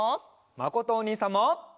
まことおにいさんも。